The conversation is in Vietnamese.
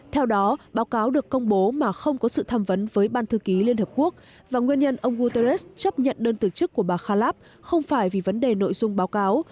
theo đó báo cáo được công bố mà không có sự tham vấn với ban thư ký liên hợp quốc và nguyên nhân ông guterres chấp nhận đơn từ chức của bà khalab không phải vì vấn đề nội dung báo cáo